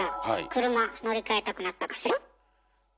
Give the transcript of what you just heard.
車乗り換えたくなったかしら？